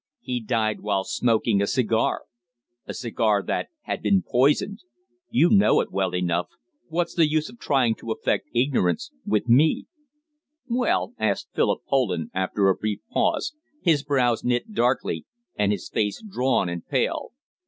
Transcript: "He died while smoking a cigar a cigar that had been poisoned! You know it well enough. What's the use of trying to affect ignorance with me!" "Well?" asked Philip Poland after a brief pause, his brows knit darkly and his face drawn and pale.